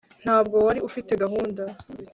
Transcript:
ntabwo wari ufite gahunda